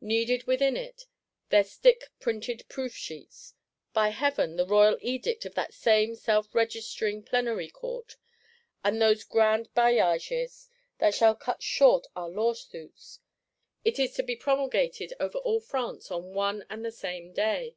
Kneaded within it, their stick printed proof sheets;—by Heaven! the royal Edict of that same self registering Plenary Court; of those Grand Bailliages that shall cut short our Lawsuits! It is to be promulgated over all France on one and the same day.